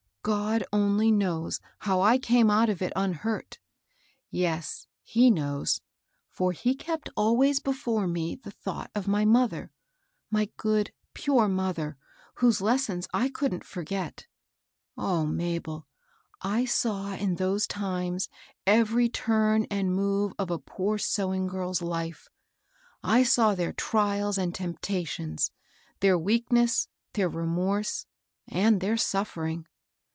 God only knows how I came out of it unhurt. Yes, he knows; for he kept always before me the thought of my mother — my good, pure mother, whose lessons I couldn't forget. O Mabel I I saw in those times every turn and move of a poor sewing girl's life. I saw their trials and tempta tions, their weakness, their remorse, and their suffering.